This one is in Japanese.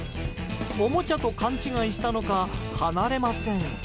おもちゃと勘違いしたのか離れません。